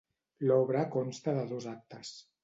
L'obra consta de dos actes.